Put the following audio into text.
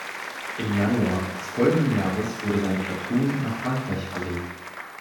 Im Januar des folgenden Jahres wurde sein Platoon nach Frankreich verlegt.